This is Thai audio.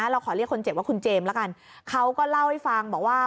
เราขอเรียกคนเจ็บว่าคุณเจมส์แล้วกันเขาก็เล่าให้ฟังบอกว่า